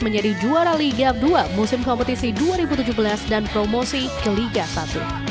menjadi juara liga dua musim kompetisi dua ribu tujuh belas dan promosi ke liga satu